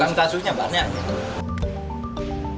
kan kasusnya banyak